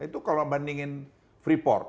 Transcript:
itu kalau bandingin freeport